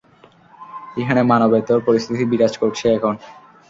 এখানে মানবেতর পরিস্থিতি বিরাজ করছে এখন।